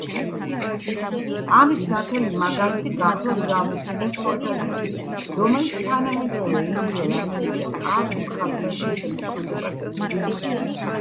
ამის ნათელი მაგალითი გახლავთ გამოფენა „თვალსაზრისი“, რომელიც თანამედროვე ინდიელ-ამერიკელი არტ მხატვრების შემოქმედებას ეთმობა.